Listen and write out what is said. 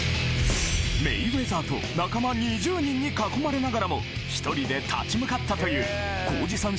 メイウェザーと仲間２０人に囲まれながらも１人で立ち向かったという皇治さん